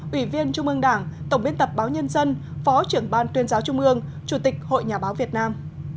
ủy viên trung ương đảng tổng biên tập báo nhân dân phó trưởng ban tuyên giáo trung ương chủ tịch hội nhà báo việt nam